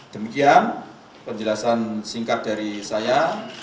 demikian penjelasan singkat dari saya